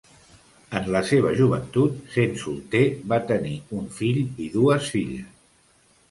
En la seva joventut, sent solter, va tenir un fill i dues filles.